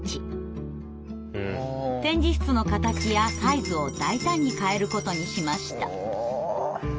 展示室の形やサイズを大胆に変えることにしました。